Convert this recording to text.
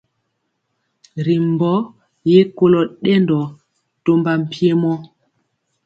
Ri mbɔ ye kolo dendɔ tɔmba mpiemɔ.